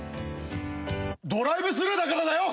ドライブスルーだからだよ！